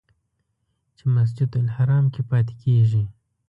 چې مسجدالحرام کې پاتې کېږي.